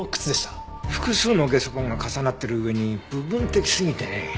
複数のゲソ痕が重なってる上に部分的すぎてね